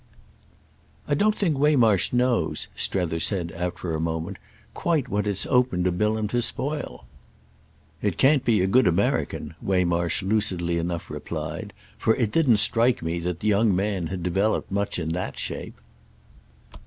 "I don't think Waymarsh knows," Strether said after a moment, "quite what it's open to Bilham to spoil." "It can't be a good American," Waymarsh lucidly enough replied; "for it didn't strike me the young man had developed much in that shape."